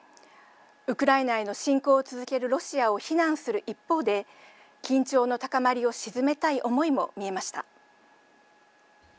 ウクライナへの侵攻を続けるロシアを非難する一方で緊張の高まりを静めたい思いも見えました。